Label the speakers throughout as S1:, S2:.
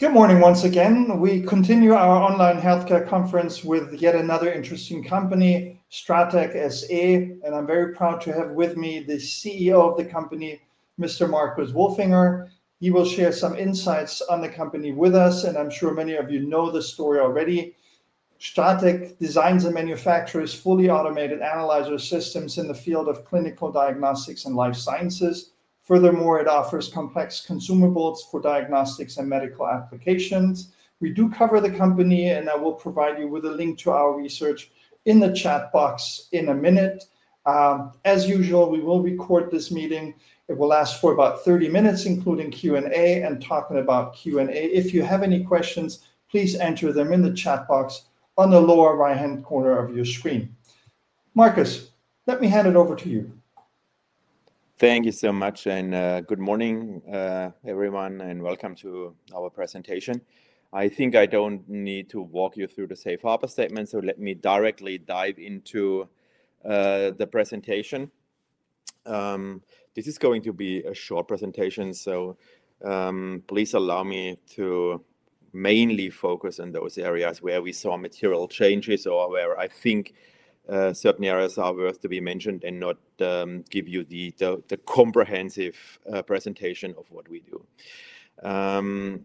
S1: Good morning once again. We continue our online healthcare conference with yet another interesting company, STRATEC SE, and I'm very proud to have with me the CEO of the company, Mr. Marcus Wolfinger. He will share some insights on the company with us, and I'm sure many of you know the story already. Stratec designs and manufactures fully automated analyzer systems in the field of clinical diagnostics and life sciences. Furthermore, it offers complex consumables for diagnostics and medical applications. We do cover the company, and I will provide you with a link to our research in the chat box in a minute. As usual, we will record this meeting. It will last for about 30 minutes, including Q&A and talking about Q&A. If you have any questions, please enter them in the chat box on the lower right-hand corner of your screen. Marcus, let me hand it over to you.
S2: Thank you so much, and good morning, everyone, and welcome to our presentation. I think I don't need to walk you through the safe harbor statement, so let me directly dive into the presentation. This is going to be a short presentation, so please allow me to mainly focus on those areas where we saw material changes or where I think certain areas are worth to be mentioned and not give you the comprehensive presentation of what we do.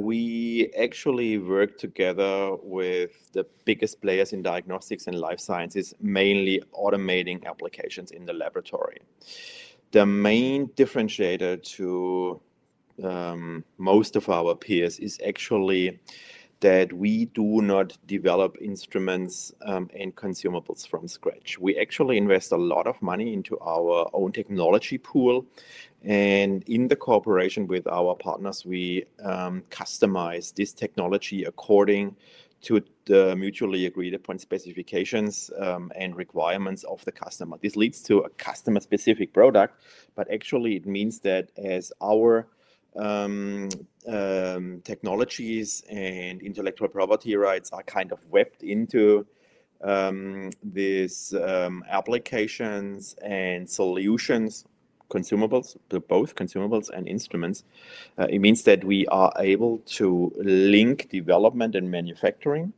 S2: We actually work together with the biggest players in diagnostics and life sciences, mainly automating applications in the laboratory. The main differentiator to most of our peers is actually that we do not develop instruments and consumables from scratch. We actually invest a lot of money into our own technology pool, and in the cooperation with our partners, we customize this technology according to the mutually agreed upon specifications and requirements of the customer. This leads to a customer-specific product, but actually it means that as our technologies and intellectual property rights are kind of wrapped into these applications and solutions, consumables, both consumables and instruments, it means that we are able to link development and manufacturing,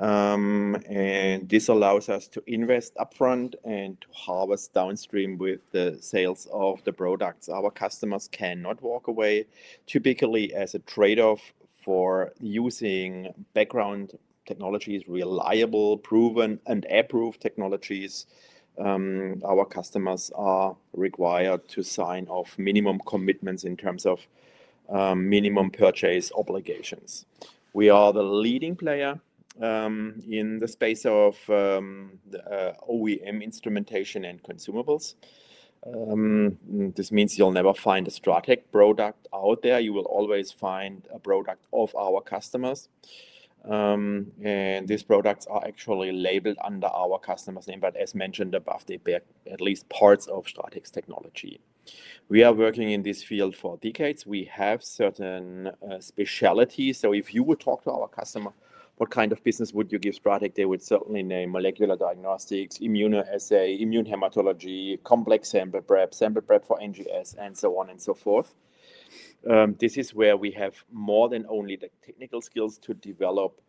S2: and this allows us to invest upfront and to harvest downstream with the sales of the products. Our customers cannot walk away. Typically, as a trade-off for using background technologies, reliable, proven, and approved technologies, our customers are required to sign off minimum commitments in terms of minimum purchase obligations. We are the leading player in the space of OEM instrumentation and consumables. This means you'll never find a Stratec product out there. You will always find a product of our customers, and these products are actually labeled under our customers' name, but as mentioned above, they bear at least parts of Stratec's technology. We are working in this field for decades. We have certain specialties, so if you would talk to our customer, what kind of business would you give Stratec? They would certainly name molecular diagnostics, immunoassay, immune hematology, complex sample prep, sample prep for NGS, and so on and so forth. This is where we have more than only the technical skills to develop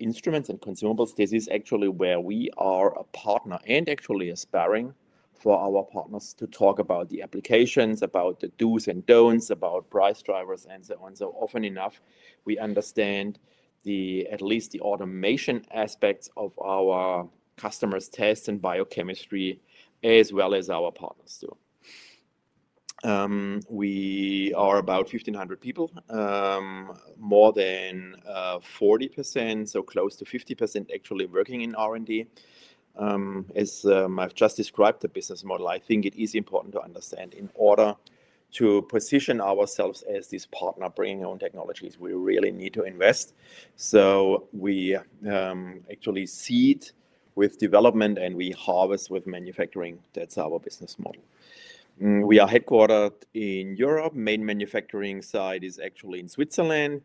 S2: instruments and consumables. This is actually where we are a partner and actually a sparring for our partners to talk about the applications, about the do's and don'ts, about price drivers, and so on. Often enough, we understand at least the automation aspects of our customers' tests and biochemistry, as well as our partners' too. We are about 1,500 people, more than 40%, so close to 50% actually working in R&D. As I've just described the business model, I think it is important to understand in order to position ourselves as this partner bringing our own technologies, we really need to invest. We actually seed with development, and we harvest with manufacturing. That's our business model. We are headquartered in Europe. Main manufacturing site is actually in Switzerland,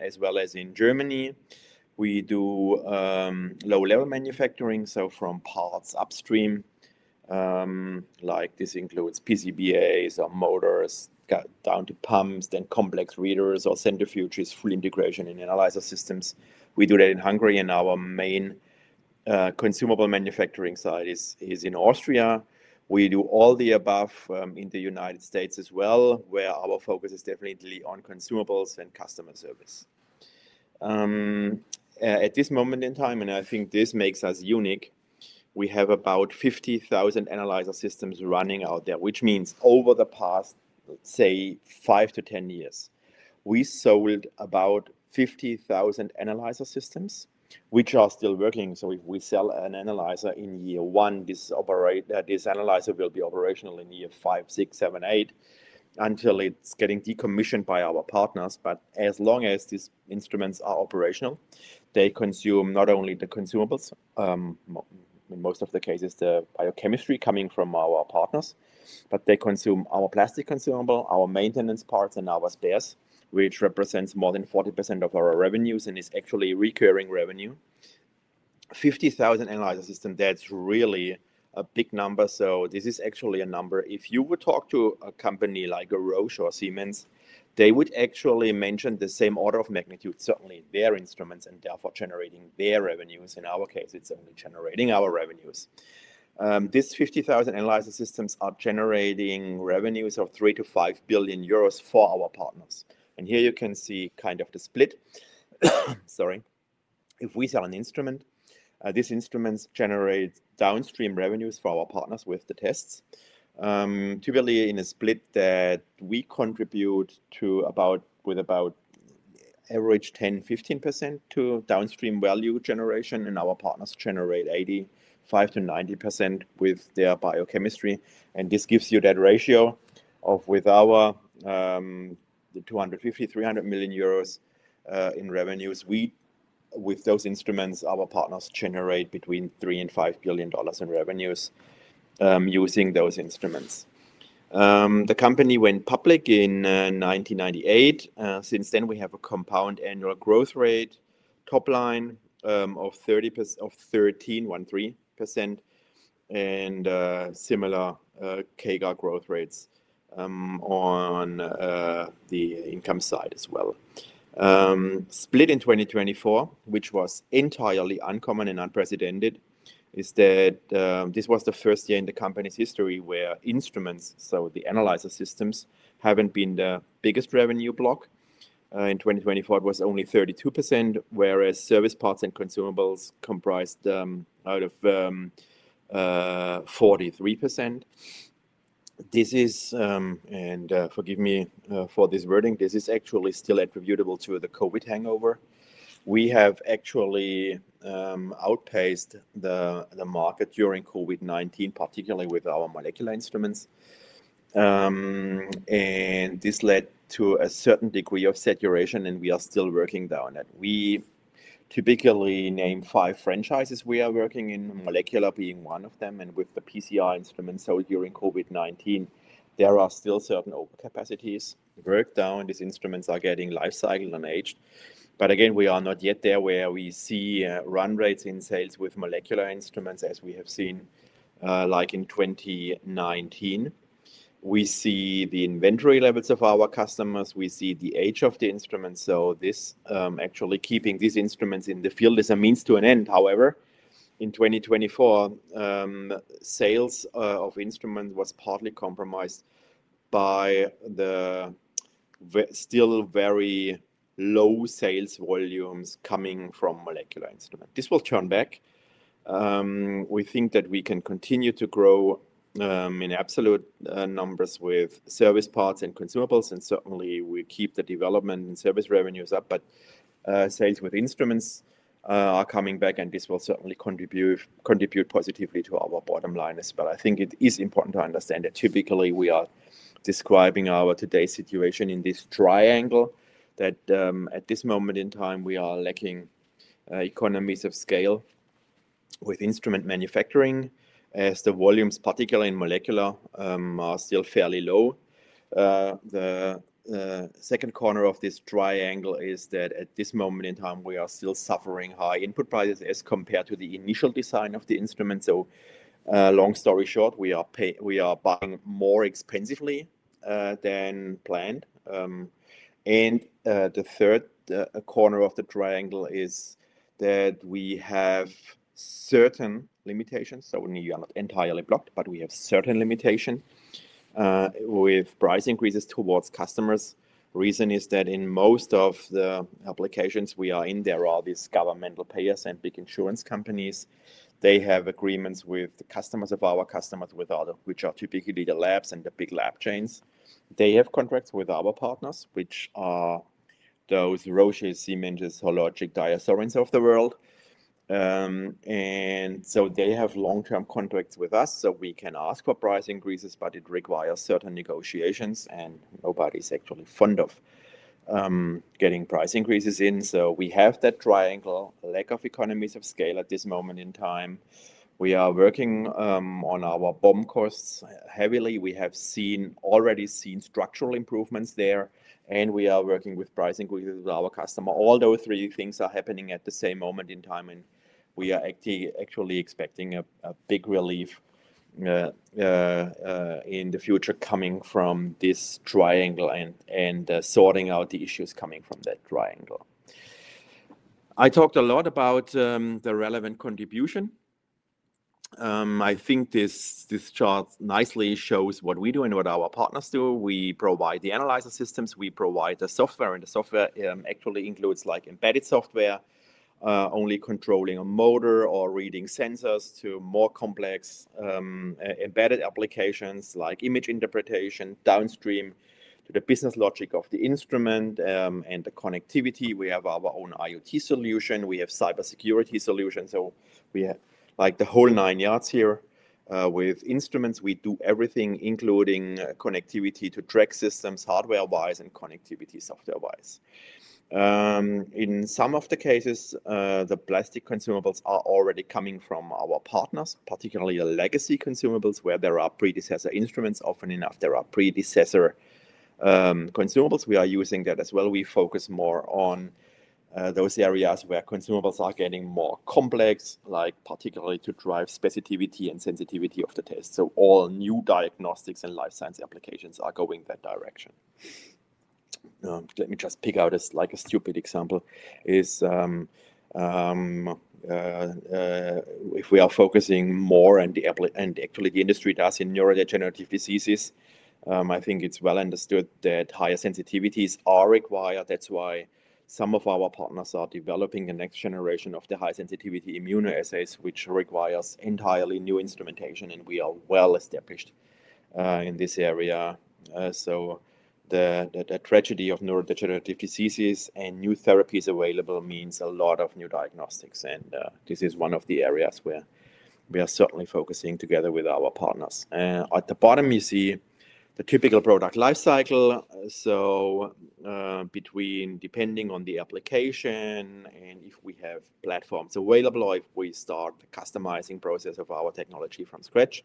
S2: as well as in Germany. We do low-level manufacturing, so from parts upstream, like this includes PCBAs or motors, down to pumps, then complex readers or centrifuges, full integration in analyzer systems. We do that in Hungary, and our main consumable manufacturing site is in Austria. We do all the above in the United States as well, where our focus is definitely on consumables and customer service. At this moment in time, and I think this makes us unique, we have about 50,000 analyzer systems running out there, which means over the past, let's say, 5-10 years, we sold about 50,000 analyzer systems, which are still working. If we sell an analyzer in year one, this analyzer will be operational in year five, six, seven, eight until it's getting decommissioned by our partners. As long as these instruments are operational, they consume not only the consumables, in most of the cases the biochemistry coming from our partners, but they consume our plastic consumable, our maintenance parts, and our spares, which represents more than 40% of our revenues and is actually recurring revenue. 50,000 analyzer systems, that's really a big number. This is actually a number. If you would talk to a company like Roche or Siemens Healthineers, they would actually mention the same order of magnitude, certainly their instruments and therefore generating their revenues. In our case, it is only generating our revenues. These 50,000 analyzer systems are generating revenues of 3-5 billion euros for our partners. Here you can see kind of the split. Sorry. If we sell an instrument, these instruments generate downstream revenues for our partners with the tests. Typically, in a split that we contribute to with about average 10-15% to downstream value generation, and our partners generate 85-90% with their biochemistry. This gives you that ratio of with our 250-300 million euros in revenues. With those instruments, our partners generate between EUR 3-5 billion in revenues using those instruments. The company went public in 1998. Since then, we have a compound annual growth rate top line of 13.13% and similar CAGR growth rates on the income side as well. Split in 2024, which was entirely uncommon and unprecedented, is that this was the first year in the company's history where instruments, so the analyzer systems, haven't been the biggest revenue block. In 2024, it was only 32%, whereas service parts and consumables comprised out of 43%. This is, and forgive me for this wording, this is actually still attributable to the COVID hangover. We have actually outpaced the market during COVID-19, particularly with our molecular instruments. This led to a certain degree of saturation, and we are still working down at. We typically name five franchises we are working in, molecular being one of them, and with the PCI instruments sold during COVID-19, there are still certain overcapacities. Work down, these instruments are getting lifecycle and aged. Again, we are not yet there where we see run rates in sales with molecular instruments as we have seen like in 2019. We see the inventory levels of our customers. We see the age of the instruments. This actually, keeping these instruments in the field is a means to an end. However, in 2024, sales of instruments were partly compromised by the still very low sales volumes coming from molecular instruments. This will turn back. We think that we can continue to grow in absolute numbers with service parts and consumables, and certainly we keep the development and service revenues up, but sales with instruments are coming back, and this will certainly contribute positively to our bottom line as well. I think it is important to understand that typically we are describing our today's situation in this triangle that at this moment in time we are lacking economies of scale with instrument manufacturing as the volumes, particularly in molecular, are still fairly low. The second corner of this triangle is that at this moment in time we are still suffering high input prices as compared to the initial design of the instruments. Long story short, we are buying more expensively than planned. The third corner of the triangle is that we have certain limitations. We are not entirely blocked, but we have certain limitations with price increases towards customers. The reason is that in most of the applications we are in, there are these governmental payers and big insurance companies. They have agreements with the customers of our customers, which are typically the labs and the big lab chains. They have contracts with our partners, which are those Roche, Siemens Healthineers, and DiaSorin of the world. They have long-term contracts with us, so we can ask for price increases, but it requires certain negotiations, and nobody's actually fond of getting price increases in. We have that triangle, lack of economies of scale at this moment in time. We are working on our BOM costs heavily. We have already seen structural improvements there, and we are working with price increases with our customer. All those three things are happening at the same moment in time, and we are actually expecting a big relief in the future coming from this triangle and sorting out the issues coming from that triangle. I talked a lot about the relevant contribution. I think this chart nicely shows what we do and what our partners do. We provide the analyzer systems. We provide the software, and the software actually includes embedded software, only controlling a motor or reading sensors to more complex embedded applications like image interpretation downstream to the business logic of the instrument and the connectivity. We have our own IoT solution. We have cybersecurity solutions. The whole nine yards here with instruments, we do everything, including connectivity to track systems hardware-wise and connectivity software-wise. In some of the cases, the plastic consumables are already coming from our partners, particularly the legacy consumables, where there are predecessor instruments. Often enough, there are predecessor consumables. We are using that as well. We focus more on those areas where consumables are getting more complex, particularly to drive specificity and sensitivity of the test. All new diagnostics and life science applications are going that direction. Let me just pick out a stupid example. If we are focusing more and actually the industry does in neurodegenerative diseases, I think it's well understood that higher sensitivities are required. That's why some of our partners are developing the next generation of the high-sensitivity immunoassays, which requires entirely new instrumentation, and we are well established in this area. The tragedy of neurodegenerative diseases and new therapies available means a lot of new diagnostics, and this is one of the areas where we are certainly focusing together with our partners. At the bottom, you see the typical product lifecycle. Depending on the application and if we have platforms available or if we start the customizing process of our technology from scratch,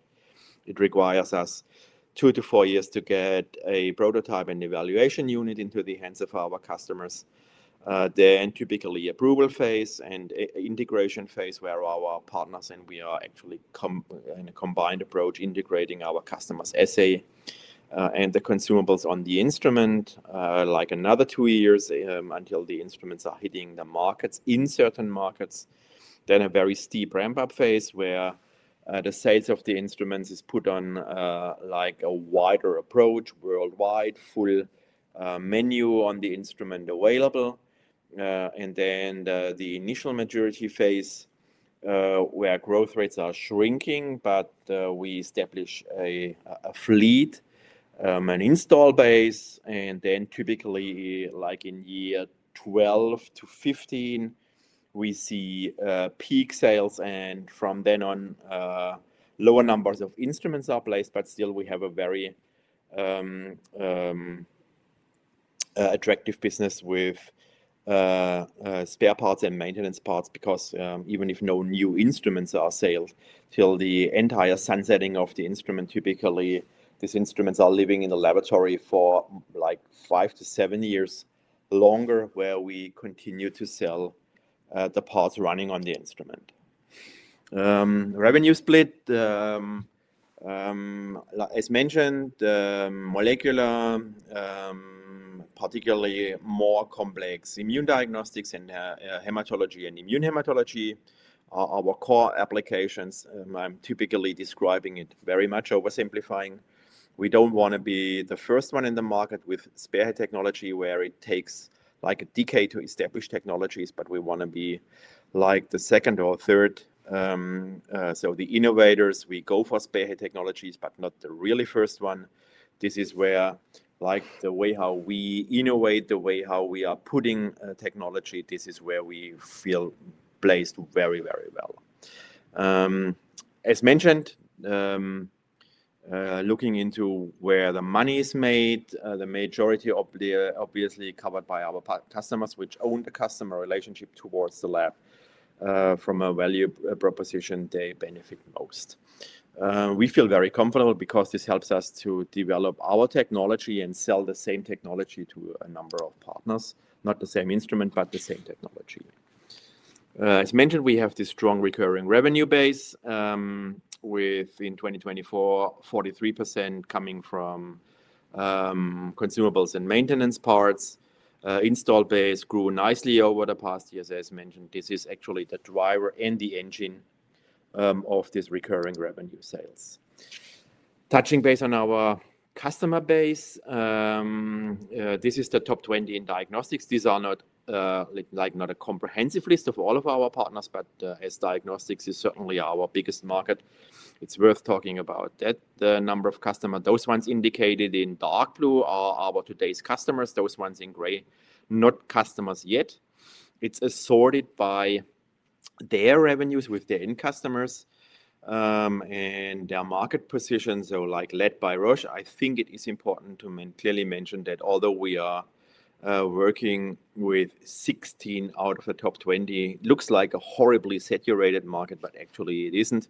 S2: it requires us two to four years to get a prototype and evaluation unit into the hands of our customers. Typically, the approval phase and integration phase where our partners and we are actually in a combined approach integrating our customers' assay and the consumables on the instrument take another two years until the instruments are hitting the markets in certain markets. A very steep ramp-up phase follows where the sales of the instruments is put on a wider approach worldwide, full menu on the instrument available. The initial maturity phase is where growth rates are shrinking, but we establish a fleet, an install base. Typically, like in year 12 to 15, we see peak sales, and from then on, lower numbers of instruments are placed, but still we have a very attractive business with spare parts and maintenance parts because even if no new instruments are sales, till the entire sunsetting of the instrument, typically these instruments are living in the laboratory for like five to seven years longer where we continue to sell the parts running on the instrument. Revenue split, as mentioned, molecular, particularly more complex immune diagnostics and hematology and immune hematology are our core applications. I'm typically describing it very much oversimplifying. We don't want to be the first one in the market with spare head technology where it takes like a decade to establish technologies, but we want to be like the second or third. The innovators, we go for spearhead technologies, but not the really first one. This is where the way how we innovate, the way how we are putting technology, this is where we feel placed very, very well. As mentioned, looking into where the money is made, the majority obviously covered by our customers, which own the customer relationship towards the lab from a value proposition, they benefit most. We feel very comfortable because this helps us to develop our technology and sell the same technology to a number of partners, not the same instrument, but the same technology. As mentioned, we have this strong recurring revenue base with in 2024, 43% coming from consumables and maintenance parts. Install base grew nicely over the past years. As mentioned, this is actually the driver and the engine of this recurring revenue sales. Touching base on our customer base, this is the top 20 in diagnostics. These are not like not a comprehensive list of all of our partners, but as diagnostics is certainly our biggest market, it's worth talking about that number of customers. Those ones indicated in dark blue are our today's customers. Those ones in gray, not customers yet. It's assorted by their revenues with their end customers and their market position. Like led by Roche, I think it is important to clearly mention that although we are working with 16 out of the top 20, it looks like a horribly saturated market, but actually it isn't.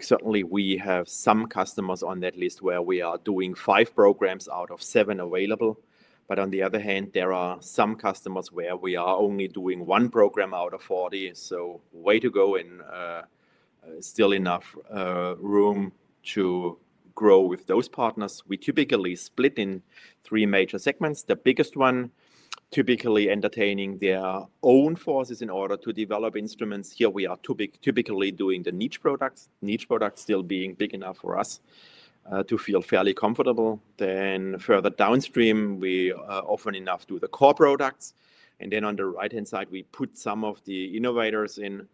S2: Certainly, we have some customers on that list where we are doing five programs out of seven available. On the other hand, there are some customers where we are only doing one program out of 40. Way to go and still enough room to grow with those partners. We typically split in three major segments. The biggest one typically entertaining their own forces in order to develop instruments. Here we are typically doing the niche products, niche products still being big enough for us to feel fairly comfortable. Further downstream, we often enough do the core products. On the right-hand side, we put some of the innovators in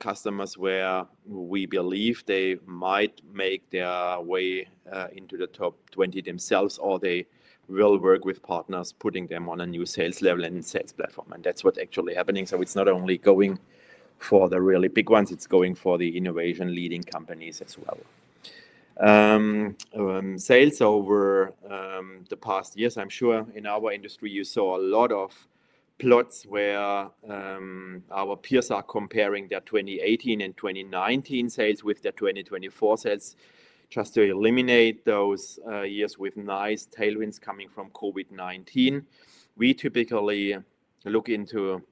S2: customers where we believe they might make their way into the top 20 themselves or they will work with partners putting them on a new sales level and sales platform. That is what is actually happening. It is not only going for the really big ones, it is going for the innovation leading companies as well. Sales over the past years, I'm sure in our industry you saw a lot of plots where our peers are comparing their 2018 and 2019 sales with their 2024 sales just to eliminate those years with nice tailwinds coming from COVID-19. We typically look into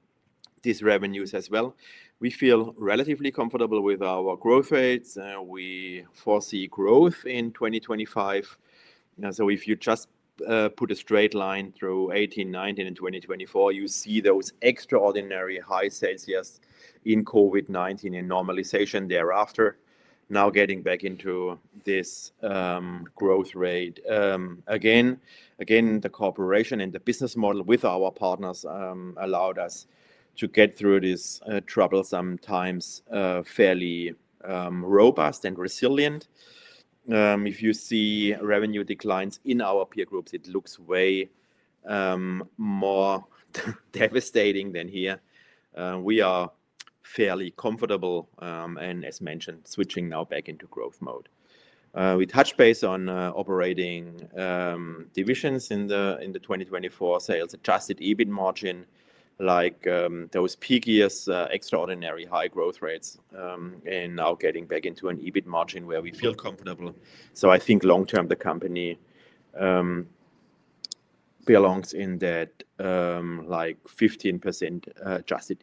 S2: these revenues as well. We feel relatively comfortable with our growth rates. We foresee growth in 2025. If you just put a straight line through 2018, 2019, and 2024, you see those extraordinary high sales years in COVID-19 and normalization thereafter, now getting back into this growth rate. Again, the cooperation and the business model with our partners allowed us to get through this troublesome times fairly robust and resilient. If you see revenue declines in our peer groups, it looks way more devastating than here. We are fairly comfortable and, as mentioned, switching now back into growth mode. We touch base on operating divisions in the 2024 sales adjusted EBIT margin, like those peak years, extraordinary high growth rates, and now getting back into an EBIT margin where we feel comfortable. I think long-term the company belongs in that like 15% adjusted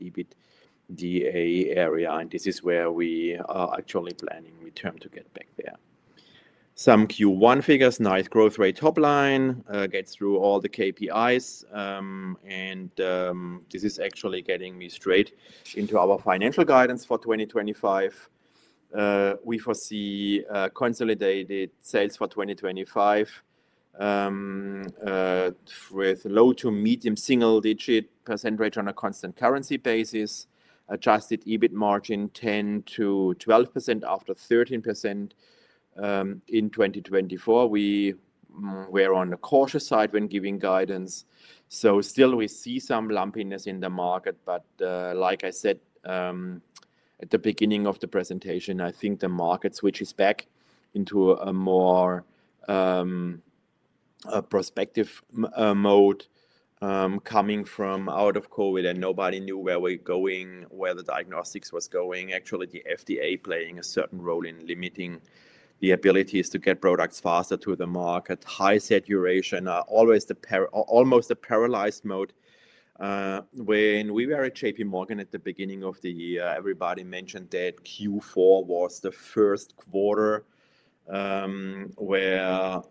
S2: EBITDA area, and this is where we are actually planning return to get back there. Some Q1 figures, nice growth rate top line, get through all the KPIs, and this is actually getting me straight into our financial guidance for 2025. We foresee consolidated sales for 2025 with low to medium single-digit % rate on a constant currency basis, adjusted EBIT margin 10-12% after 13% in 2024. We were on the cautious side when giving guidance. Still, we see some lumpiness in the market, but like I said at the beginning of the presentation, I think the market switches back into a more prospective mode coming from out of COVID, and nobody knew where we were going, where diagnostics was going. Actually, the FDA playing a certain role in limiting the abilities to get products faster to the market. High saturation or almost a paralyzed mode. When we were at JP Morgan at the beginning of the year, everybody mentioned that Q4 was the first quarter where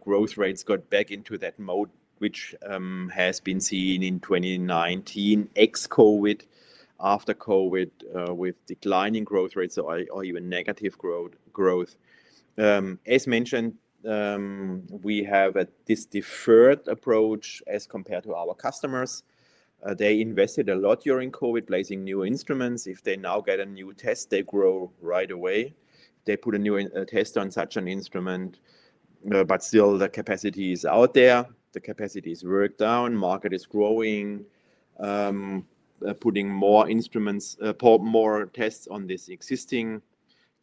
S2: growth rates got back into that mode, which has been seen in 2019 ex-COVID, after COVID with declining growth rates or even negative growth. As mentioned, we have this deferred approach as compared to our customers. They invested a lot during COVID, placing new instruments. If they now get a new test, they grow right away. They put a new test on such an instrument, but still the capacity is out there. The capacity is worked down. Market is growing, putting more tests on these existing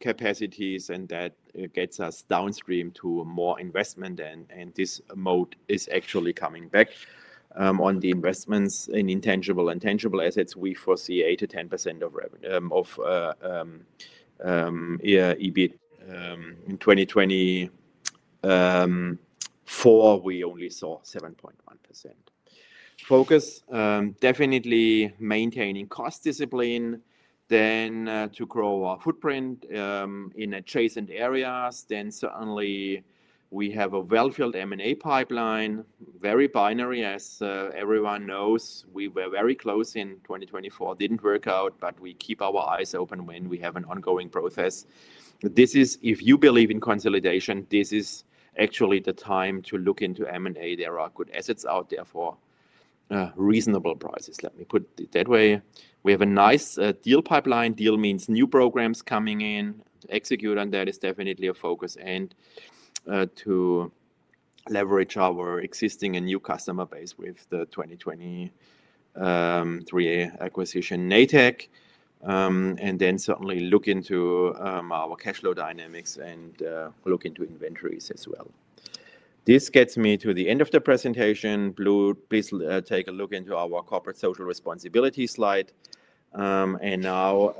S2: capacities, and that gets us downstream to more investment, and this mode is actually coming back on the investments in intangible and tangible assets. We foresee 8%-10% of EBIT. In 2024, we only saw 7.1%. Focus definitely maintaining cost discipline, then to grow our footprint in adjacent areas. Certainly we have a well-filled M&A pipeline, very binary as everyone knows. We were very close in 2024, did not work out, but we keep our eyes open when we have an ongoing process. If you believe in consolidation, this is actually the time to look into M&A. There are good assets out there for reasonable prices. Let me put it that way. We have a nice deal pipeline. Deal means new programs coming in. Execute on that is definitely a focus and to leverage our existing and new customer base with the 2023 acquisition Natech. Then certainly look into our cash flow dynamics and look into inventories as well. This gets me to the end of the presentation. Please take a look into our corporate social responsibility slide. Now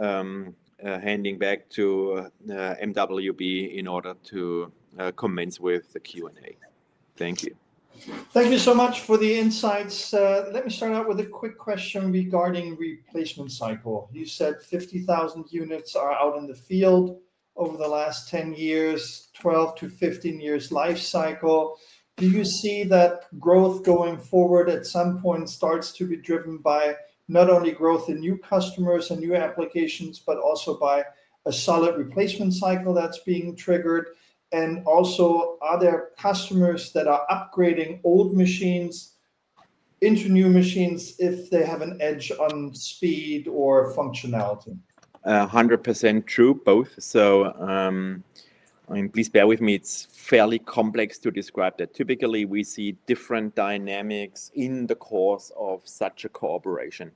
S2: handing back to MWB in order to commence with the Q&A. Thank you. Thank you so much for the insights. Let me start out with a quick question regarding replacement cycle. You said 50,000 units are out in the field over the last 10 years, 12-15 years life cycle. Do you see that growth going forward at some point starts to be driven by not only growth in new customers and new applications, but also by a solid replacement cycle that's being triggered? Are there customers that are upgrading old machines into new machines if they have an edge on speed or functionality? 100% true, both. Please bear with me. It's fairly complex to describe that. Typically, we see different dynamics in the course of such a cooperation.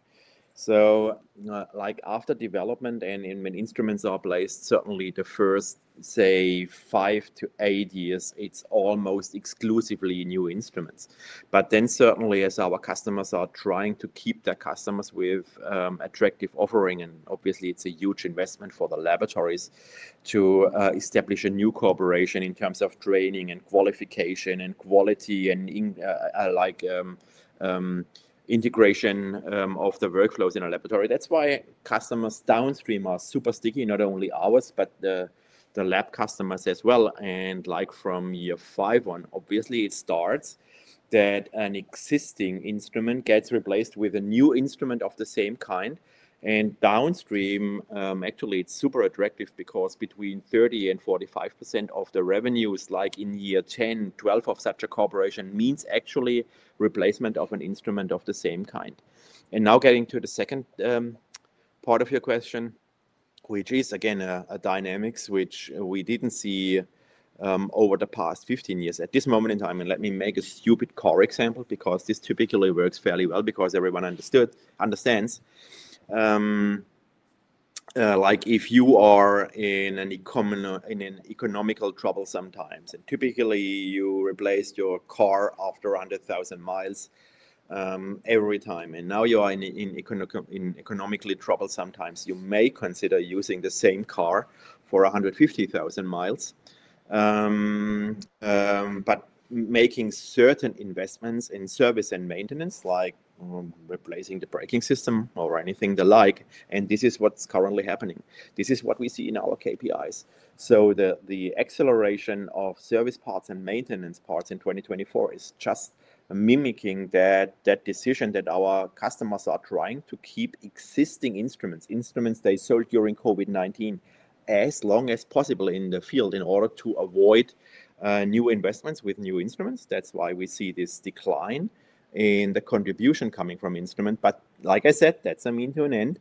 S2: After development and when instruments are placed, certainly the first, say, five to eight years, it's almost exclusively new instruments. Certainly, as our customers are trying to keep their customers with attractive offering, and obviously it's a huge investment for the laboratories to establish a new cooperation in terms of training and qualification and quality and integration of the workflows in a laboratory. That's why customers downstream are super sticky, not only ours, but the lab customers as well. From year five on, obviously it starts that an existing instrument gets replaced with a new instrument of the same kind. Downstream, actually, it is super attractive because between 30-45% of the revenues, like in year 10 or 12 of such a cooperation, means actually replacement of an instrument of the same kind. Now getting to the second part of your question, which is again a dynamics which we did not see over the past 15 years. At this moment in time, let me make a stupid core example because this typically works fairly well because everyone understands. If you are in an economical trouble sometimes, and typically you replaced your car after 100,000 mi every time, and now you are in economically troubled sometimes, you may consider using the same car for 150,000 mi. Making certain investments in service and maintenance, like replacing the braking system or anything the like, and this is what's currently happening. This is what we see in our KPIs. The acceleration of service parts and maintenance parts in 2024 is just mimicking that decision that our customers are trying to keep existing instruments, instruments they sold during COVID-19, as long as possible in the field in order to avoid new investments with new instruments. That is why we see this decline in the contribution coming from instruments. Like I said, that's a means to an end.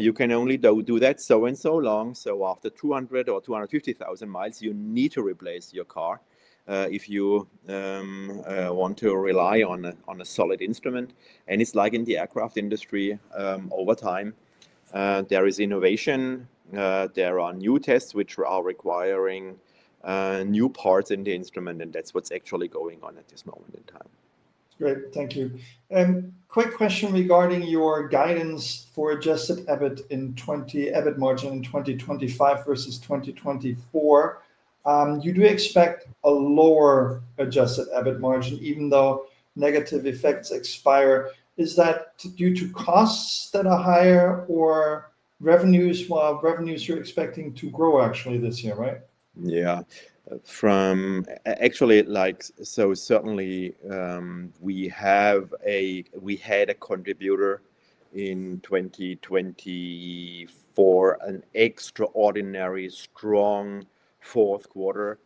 S2: You can only do that so and so long. After 200,000 or 250,000 mi, you need to replace your car if you want to rely on a solid instrument. It is like in the aircraft industry over time. There is innovation. There are new tests which are requiring new parts in the instrument, and that's what's actually going on at this moment in time. Great. Thank you. Quick question regarding your guidance for adjusted EBIT margin in 2025 versus 2024. You do expect a lower adjusted EBIT margin even though negative effects expire. Is that due to costs that are higher or revenues? Revenues you're expecting to grow actually this year, right? Yeah. Actually, certainly we had a contributor in 2024, an extraordinary strong fourth quarter.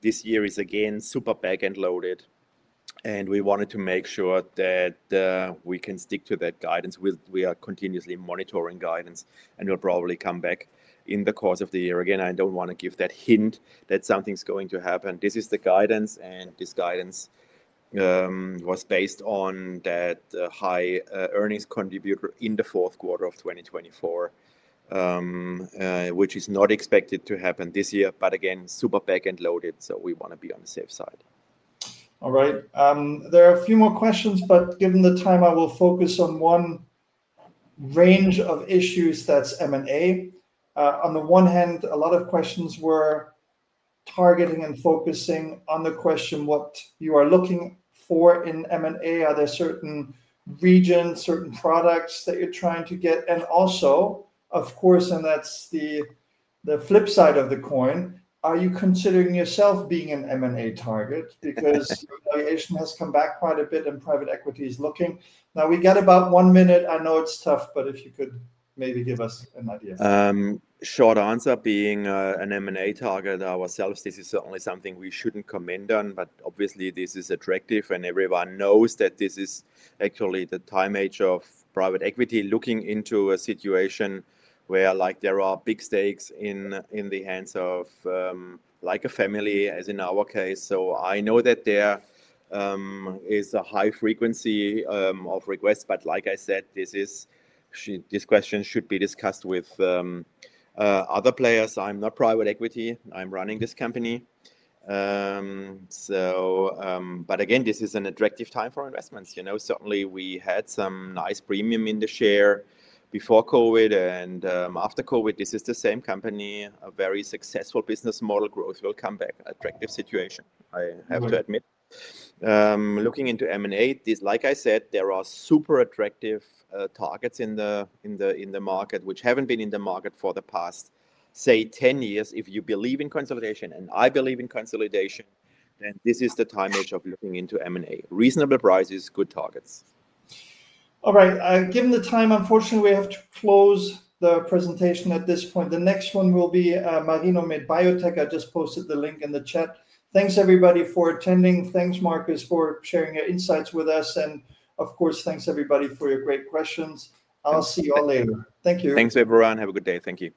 S2: This year is again super back and loaded, and we wanted to make sure that we can stick to that guidance. We are continuously monitoring guidance, and we'll probably come back in the course of the year. Again, I don't want to give that hint that something's going to happen. This is the guidance, and this guidance was based on that high earnings contributor in the fourth quarter of 2024, which is not expected to happen this year, but again, super back and loaded, so we want to be on the safe side. All right. There are a few more questions, but given the time, I will focus on one range of issues, that's M&A. On the one hand, a lot of questions were targeting and focusing on the question what you are looking for in M&A. Are there certain regions, certain products that you're trying to get? And also, of course, and that's the flip side of the coin, are you considering yourself being an M&A target? Because the valuation has come back quite a bit and private equity is looking. Now, we got about one minute. I know it's tough, but if you could maybe give us an idea. Short answer, being an M&A target, ourselves, this is certainly something we shouldn't comment on, but obviously this is attractive and everyone knows that this is actually the time age of private equity looking into a situation where there are big stakes in the hands of a family, as in our case. I know that there is a high frequency of requests, but like I said, this question should be discussed with other players. I'm not private equity. I'm running this company. Again, this is an attractive time for investments. Certainly, we had some nice premium in the share before COVID, and after COVID, this is the same company, a very successful business model, growth will come back, attractive situation. I have to admit. Looking into M&A, like I said, there are super attractive targets in the market which haven't been in the market for the past, say, 10 years. If you believe in consolidation, and I believe in consolidation, then this is the time age of looking into M&A. Reasonable prices, good targets. All right. Given the time, unfortunately, we have to close the presentation at this point. The next one will be Marino Made Biotech. I just posted the link in the chat. Thanks, everybody, for attending. Thanks, Marcus, for sharing your insights with us. Of course, thanks, everybody, for your great questions. I'll see you all later. Thank you. Thanks, everyone. Have a good day. Thank you.